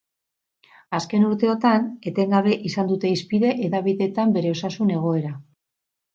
Azken urteotan, etengabe izan dute hizpide hedabideetan bere osasun-egoera.